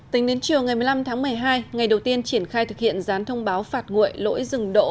tính đến chiều ngày một mươi năm tháng một mươi hai ngày đầu tiên triển khai thực hiện gián thông báo phạt nguội lỗi dừng đỗ